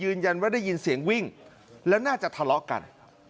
ยืนยันว่าได้ยินเสียงวิ่งแล้วน่าจะทะเลาะกัน